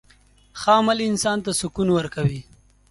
ښه عمل انسان ته سکون ورکوي.